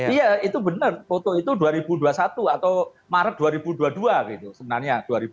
iya itu benar foto itu dua ribu dua puluh satu atau maret dua ribu dua puluh dua gitu sebenarnya